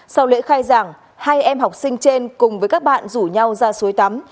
sau lễ khai giảng hai em học sinh trên cùng với các bạn rủ nhau ra suối tắm